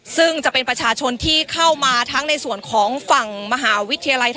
ซึ่งจะเป็นประชาชนที่เข้ามาทั้งในส่วนของฝั่งมหาวิทยาลัย